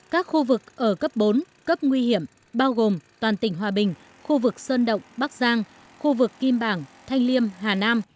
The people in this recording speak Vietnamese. các khu vực ở cấp bốn cấp nguy hiểm bao gồm toàn tỉnh hòa bình khu vực sơn động bắc giang khu vực kim bảng thanh liêm hà nam